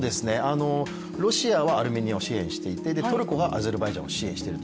ロシアはアルメニアを支援していてトルコがアゼルバイジャンを支援している